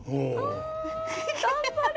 あ頑張れ。